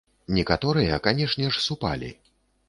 Некаторыя, канешне ж, супалі.